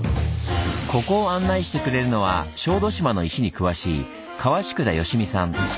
ここを案内してくれるのは小豆島の石に詳しい川宿田好見さん。